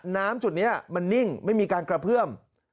จุดนี้มันนิ่งไม่มีการกระเพื่อม